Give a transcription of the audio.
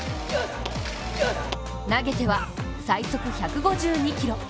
投げては最速１５２キロ。